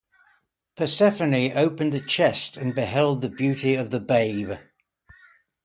Persephone opened the chest and beheld the beauty of the babe.